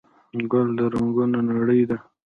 ګل د رنګونو نړۍ ده.